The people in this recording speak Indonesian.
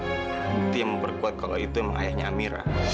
itu yang memperkuat kalau itu ayahnya amira